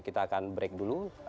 kita akan break dulu